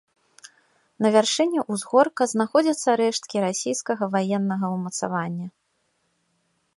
На вяршыні ўзгорка знаходзяцца рэшткі расійскага ваеннага ўмацавання.